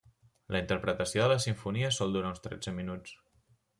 La interpretació de la simfonia sol durar uns tretze minuts.